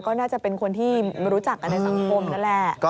ก็น่าจะเป็นคนที่รู้จักกันในสังคมนั่นแหละ